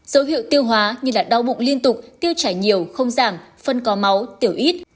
dấu hiệu tiêu hóa như đau bụng liên tục tiêu chảy nhiều không giảm phân có máu tiểu ít